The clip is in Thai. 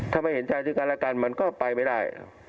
ถ้าไม่เห็นใจซึ่งกันและกันมันก็ไปไม่ได้